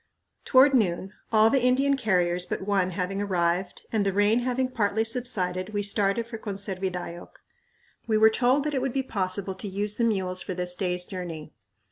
Toward noon, all the Indian carriers but one having arrived, and the rain having partly subsided, we started for Conservidayoc. We were told that it would be possible to use the mules for this day's journey.